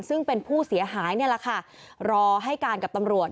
ซึ่งเป็นผู้เสียหายนี่แหละค่ะรอให้การกับตำรวจ